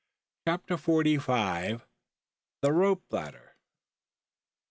CHAPTER FORTY FIVE. THE ROPE LADDER.